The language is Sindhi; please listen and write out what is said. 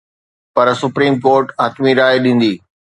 پر سپريم ڪورٽ حتمي راءِ ڏيندي.